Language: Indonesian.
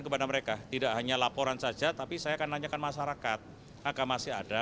kepada mereka tidak hanya laporan saja tapi saya akan nanyakan masyarakat agar masih ada